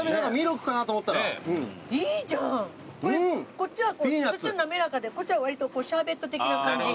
そっちは滑らかでこっちは割とシャーベット的な感じ。